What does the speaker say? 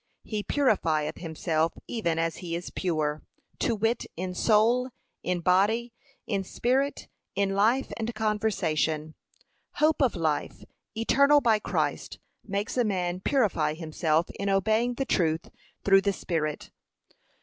He purifieth himself even as he is pure; to wit, in soul, in body, in spirit, in life and conversation. Hope of life, eternal by Christ, makes a man purify himself in obeying the truth through the Spirit.